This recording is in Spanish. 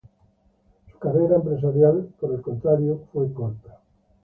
Su carrera empresarial, por el contrario, fue corta.